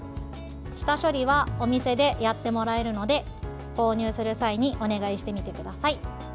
下処理はお店でやってもらえるので購入する際にお願いしてみてください。